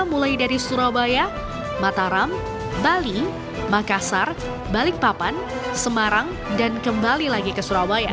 mulai dari surabaya mataram bali makassar balikpapan semarang dan kembali lagi ke surabaya